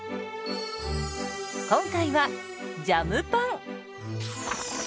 今回はジャムパン。